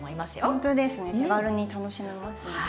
ほんとですね手軽に楽しめますね。